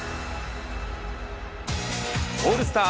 オールスター